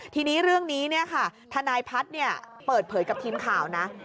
ทีนี้เรื่องนี้ทนายพัฒน์เปิดเผยกับทีมข่าวนะ